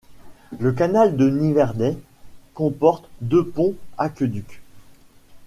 Le canal du Nivernais comporte deux ponts-aqueducs.